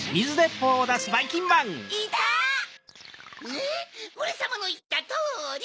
ねっおれさまのいったとおり！